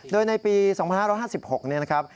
โดยในปี๒๕๕๖นะครับ